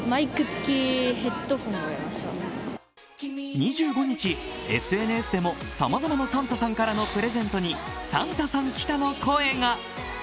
２５日、ＳＮＳでもさまざまなサンタさんからのプレゼントにサンタさん来たの声が。